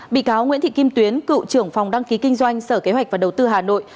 bị cáo nguyễn thị kim tuyến cựu trưởng phòng đăng ký kinh doanh sở kế hoạch và đầu tư hà nội